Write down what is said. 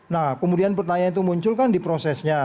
nah kemudian pertanyaan itu muncul kan di prosesnya